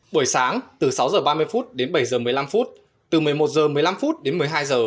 buổi sáng từ sáu h ba mươi phút đến bảy h một mươi năm từ một mươi một h một mươi năm đến một mươi hai h